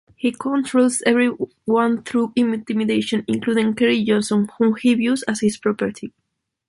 He controls everyone through intimidation, including Keri Johnson, whom he views as his property.